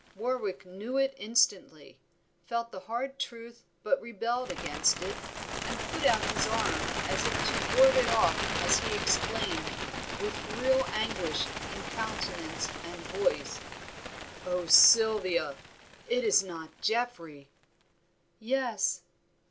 Warwick knew it instantly, felt the hard truth but rebelled against it, and put out his arm as if to ward it off as he exclaimed, with real anguish in countenance and voice "Oh, Sylvia! it is not Geoffrey?" "Yes."